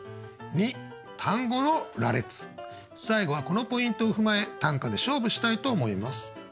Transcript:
最後はこのポイントを踏まえ短歌で勝負したいと思います。